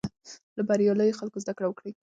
له بریالیو خلکو زده کړه وکړئ.